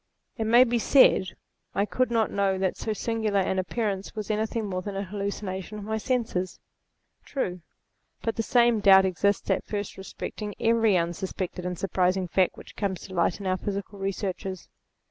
It may be said, I could not know that so singular an appearance was any thing more than a hallucination of my senses. True; but the same doubt exists at first respecting every unsuspected and surprising fact which comes to light in our physical researches.